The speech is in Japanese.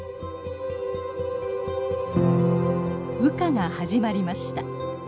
羽化が始まりました。